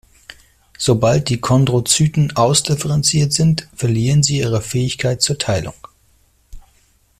Sobald die Chondrozyten ausdifferenziert sind, verlieren sie ihre Fähigkeit zur Teilung.